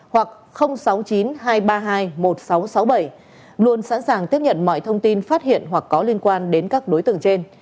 hoặc sáu mươi chín hai trăm ba mươi hai một nghìn sáu trăm sáu mươi bảy luôn sẵn sàng tiếp nhận mọi thông tin phát hiện hoặc có liên quan đến các đối tượng trên